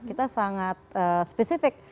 kita sangat spesifik